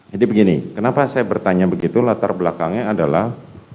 jadi begini kenapa saya bertanya begitu latar belakangnya adalah